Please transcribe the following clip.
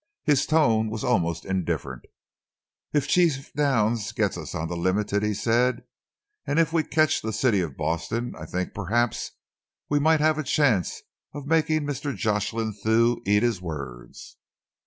His tone was almost indifferent. "If Chief Downs can get us on the Limited," he said, "and if we catch the City of Boston, I think perhaps we might have a chance of making Mr. Jocelyn Thew eat his words."